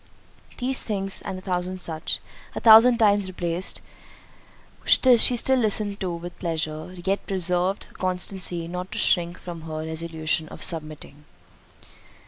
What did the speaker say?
These things, and a thousand such, a thousand times repeated, she still listened to with pleasure; yet preserved the constancy not to shrink from her resolution of submitting.